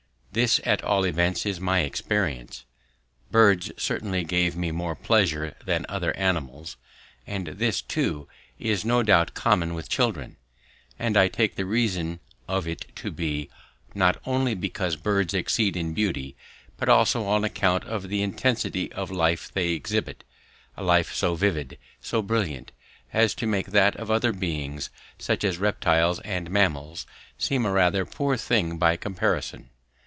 This at all events is my experience. Birds certainly gave me more pleasure than other animals, and this too is no doubt common with children, and I take the reason of it to be not only because birds exceed in beauty, but also on account of the intensity of life they exhibit a life so vivid, so brilliant, as to make that of other beings, such as reptiles and mammals, seem a rather poor thing by comparison.